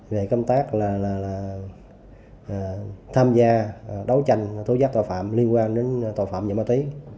về công tác là tham gia đấu tranh thối giác tòa phạm liên quan đến tòa phạm nhà ma túy